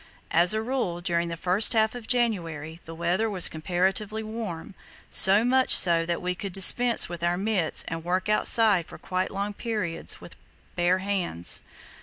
As a rule, during the first half of January the weather was comparatively warm, so much so that we could dispense with our mitts and work outside for quite long periods with bare hands.